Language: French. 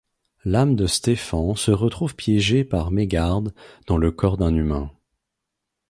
L'âme de Stefan se retrouve piégée par mégarde dans le corps d'un humain.